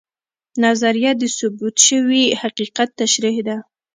نظریه د ثبوت شوي حقیقت تشریح ده